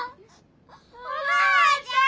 おばあちゃん！